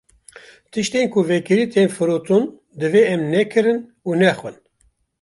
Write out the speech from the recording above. Tiştên ku vekirî tên firotin divê em nekirin û nexwin.